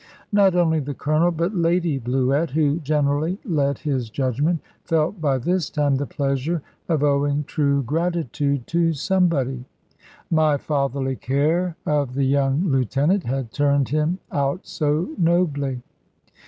Not only the Colonel, but Lady Bluett, who generally led his judgment, felt by this time the pleasure of owing true gratitude to somebody. My fatherly care of the young lieutenant had turned him out so nobly.